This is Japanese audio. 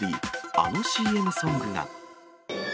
あのＣＭソングが。